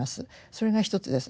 それが一つです。